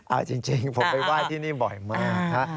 เอาจริงผมไปไหว้ที่นี่บ่อยมากฮะ